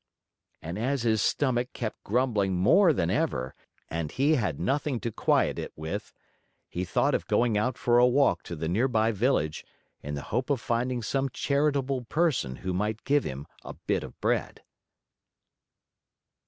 And as his stomach kept grumbling more than ever and he had nothing to quiet it with, he thought of going out for a walk to the near by village, in the hope of finding some charitable person who might give him a bit of bread.